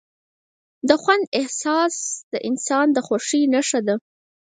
د خوند احساس د انسان د خوښۍ نښه ده.